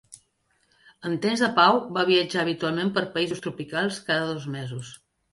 En temps de pau va viatjar habitualment per països tropicals cada dos mesos.